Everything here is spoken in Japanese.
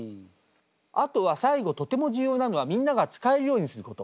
あとは最後とても重要なのはみんなが使えるようにすること。